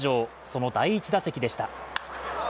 その第１打席でした。